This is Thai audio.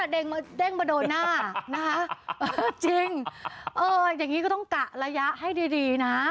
เด้งมาเด้งมาโดนหน้านะคะจริงเอออย่างนี้ก็ต้องกะระยะให้ดีนะ